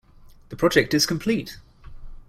The project is complete.